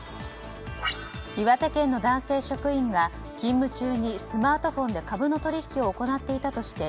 岩手県の男性職員が勤務中にスマートフォンで株の取引を行っていたとして